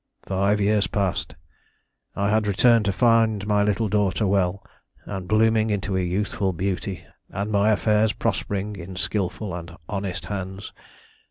"Five years passed. I had returned to find my little daughter well and blooming into youthful beauty, and my affairs prospering in skilful and honest hands.